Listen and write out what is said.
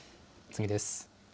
次です。